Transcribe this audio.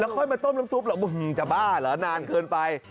ค่อยมาต้มน้ำซุปหรอกจะบ้าเหรอนานเกินไป